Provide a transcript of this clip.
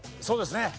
そうですね。